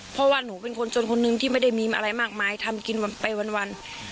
เพราะว่าหนูเป็นคนจนคนนึงที่ไม่ได้มีอะไรมากมายทำกินไปวัน